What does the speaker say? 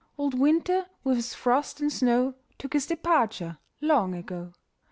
Old winter, with his frost and snow, Took his departure long ago.